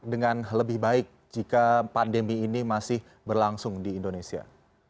dengan lebih baik jika pandemi ini masih berlangsung di indonesia